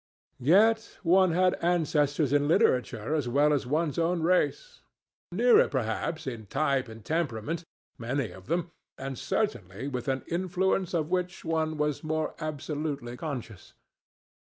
Yet one had ancestors in literature as well as in one's own race, nearer perhaps in type and temperament, many of them, and certainly with an influence of which one was more absolutely conscious.